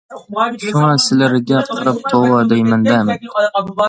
شۇڭا سىلەرگە قاراپ توۋا دەيمەن-دە مەن!